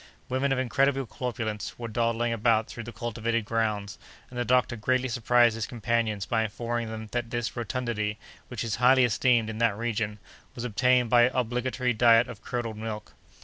Women of incredible corpulence were dawdling about through the cultivated grounds, and the doctor greatly surprised his companions by informing them that this rotundity, which is highly esteemed in that region, was obtained by an obligatory diet of curdled milk.